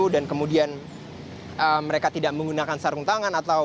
dan kemudian mereka tidak menggunakan sarung tangan